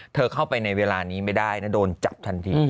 เข้าไปในเวลานี้ไม่ได้นะโดนจับทันที